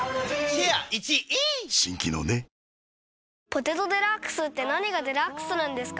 「ポテトデラックス」って何がデラックスなんですか？